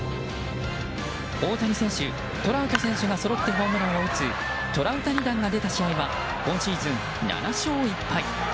大谷選手、トラウト選手がそろってホームランを打つトラウタニ弾が出た試合は今シーズン７勝１敗。